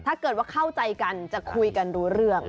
ถ้าเกิดว่าเข้าใจกันจะคุยกันรู้เรื่อง